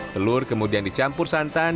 telur kemudian dicampur santan